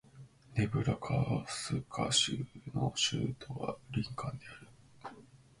ネブラスカ州の州都はリンカーンである